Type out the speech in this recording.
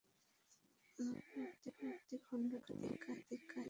লীলাবতী খণ্ডটি নিয়ে একাধিক কাহিনী প্রচলিত রয়েছে।